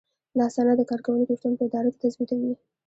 دا سند د کارکوونکي شتون په اداره کې تثبیتوي.